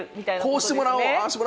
こうしてもらおう。